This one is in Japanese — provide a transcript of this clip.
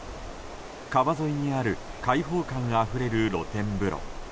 川沿いにある開放感があふれる露天風呂。